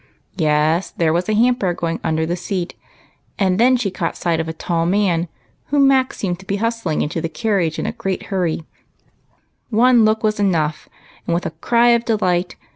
Yes, there was a hamper going under the seat, and then she caught sight of a tall man whom Mac seemed to be hustling into the carriage in a great A HAPPY BIRTHDAY. 151 hurry. One look was enough, and, with a cry of de light.